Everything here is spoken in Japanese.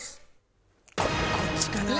こっちかな。